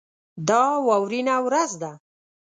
دا واورینه ورځ ده.